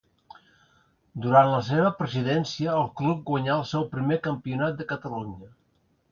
Durant la seva presidència el club guanyà el seu primer Campionat de Catalunya.